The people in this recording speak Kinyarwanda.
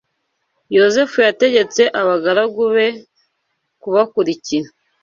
Yozefu yategetse abagaragu be kubakurikira